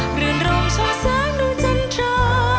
เปลือนร่มช่องแสงดูจันทรา